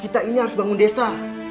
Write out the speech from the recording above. kita ini harus bangun desa